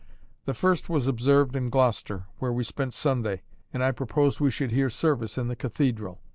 The first was observed in Gloucester, where we spent Sunday, and I proposed we should hear service in the cathedral.